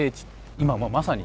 今もうまさに。